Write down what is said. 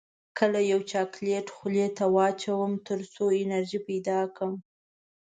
کله یو چاکلیټ خولې ته واچوم تر څو انرژي پیدا کړم